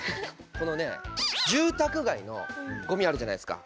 このね住宅街のごみあるじゃないですか。